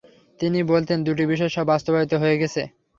তিনি বলতেন, দুটি বিষয় বাস্তবায়িত হয়ে গেছে।